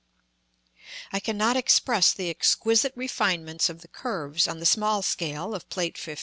I cannot express the exquisite refinements of the curves on the small scale of Plate XV.